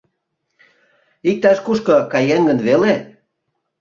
Иктаж-кушко каен гын веле?..»